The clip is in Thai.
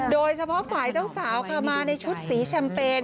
โดยเฉพาะฝ่ายเจ้าสาวค่ะมาในชุดสีแชมเปญ